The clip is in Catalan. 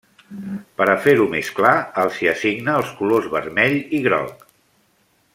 Per a fer-ho més clar, els hi assigna els colors vermell i groc.